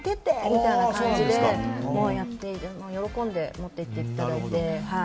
みたいな感じでやって喜んで持って行っていただいて。